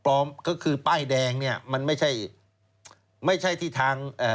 ปลอมก็คือป้ายแดงนี่มันไม่ใช่ที่ทาง